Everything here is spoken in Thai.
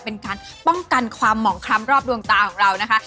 เป็นการป้องกันความหมองคล้ำรอบดวงตาของเรานะคะ